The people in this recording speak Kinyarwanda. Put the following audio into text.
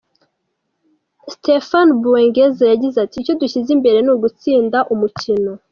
Stephane Boungueza yagize ati “ Icyo dushyize imbere ni ugutsinda umukino.